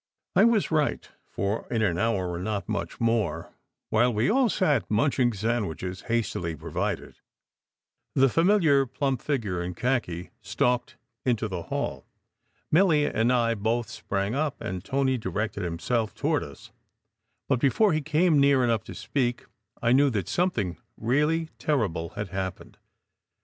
I was right, for in an hour, or not much more, while we all sat munching sandwiches, hastily provided, the famil iar plump figure in khaki stalked into the hall. Milly and I both sprang up, and Tony directed himself toward us; but before he came near enough to speak, I knew that something really terrible had happened.